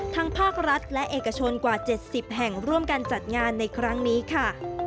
ภาครัฐและเอกชนกว่า๗๐แห่งร่วมกันจัดงานในครั้งนี้ค่ะ